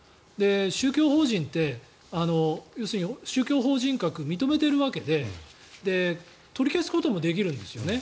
宗教法人って、要するに宗教法人格を認めているわけで取り消すこともできるんですね。